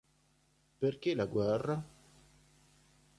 Perché la guerra?